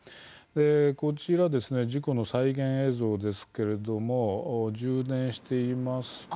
こちら事故の再現映像ですけれども充電していますと。